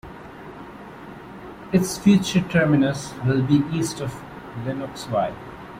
Its future terminus will be east of Lennoxville.